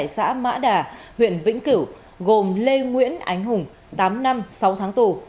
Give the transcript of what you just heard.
xã mã đà huyện vĩnh cửu gồm lê nguyễn ánh hùng tám năm sáu tháng tù